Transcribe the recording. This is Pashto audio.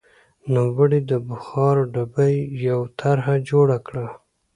نوموړي د بخار ډبې یوه طرحه جوړه کړه.